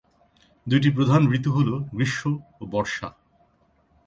দুইটি প্রধান ঋতু হলো: গ্রীষ্ম ও বর্ষা।